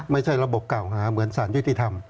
ไม่ใช่ระบบเก่าเหมือนสารยุทธิธรรม